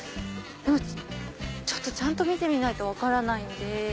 ええちゃんと見てみないと分からないんで。